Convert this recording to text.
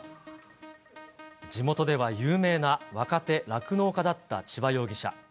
地元では有名な若手酪農家だった千葉容疑者。